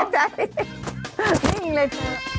นิ่งเลย